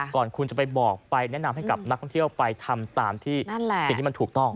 ก่อนคุณจะไปบอกไปแนะนำให้กับนักท่องเที่ยวไปทำตามที่นั่นแหละสิ่งที่มันถูกต้อง